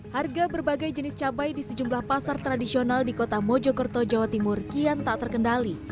harga berbagai jenis cabai di sejumlah pasar tradisional di kota mojokerto jawa timur kian tak terkendali